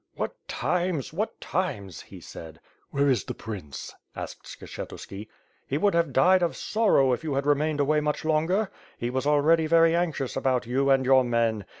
"What times! What times!" he eaid. "Where is the prince?" asked Skshetuski. "He would have died of sorrow if you had remained away much longer. He was already very anxious about you and your men.